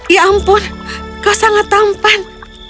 ya ampun kau sangat tampan